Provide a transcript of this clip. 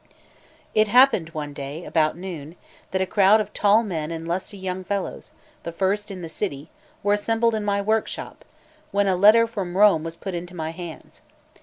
It happened one day, about noon, that a crowd of tall men and lusty young fellows, the first in the city, were assembled in my workshop, when a letter from Rome was put into my hands.